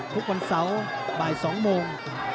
ทุกวันเสาร์บ่าย๒โมง